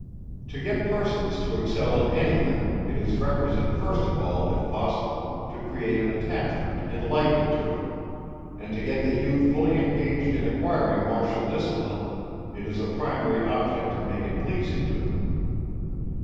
To get persons to excel in any thing, it is requisite first of all if possible to create an attachment and liking to it; and to get the youth fully engaged in acquiring martial discipline, it is a primary object to make it pleasing to them.